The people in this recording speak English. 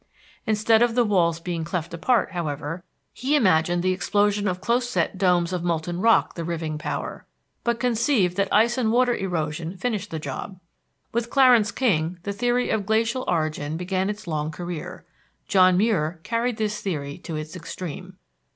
Instead of the walls being cleft apart, however, he imagined the explosion of close set domes of molten rock the riving power, but conceived that ice and water erosion finished the job. With Clarence King the theory of glacial origin began its long career. John Muir carried this theory to its extreme.